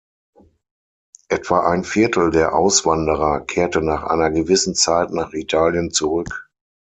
Etwa ein Viertel der Auswanderer kehrte nach einer gewissen Zeit nach Italien zurück.